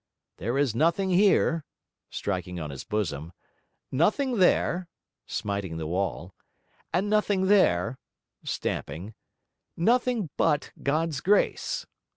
There is nothing here,' striking on his bosom 'nothing there' smiting the wall 'and nothing there' stamping 'nothing but God's Grace!